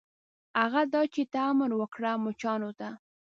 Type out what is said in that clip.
هغه دا چې ته امر وکړه مچانو ته.